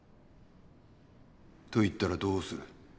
と言ったらどうする？